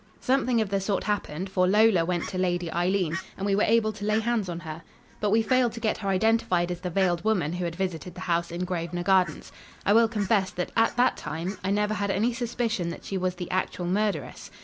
"Something of the sort happened, for Lola went to Lady Eileen, and we were able to lay hands on her. But we failed to get her identified as the veiled woman who had visited the house in Grosvenor Gardens. I will confess that, at that time, I never had any suspicion that she was the actual murderess.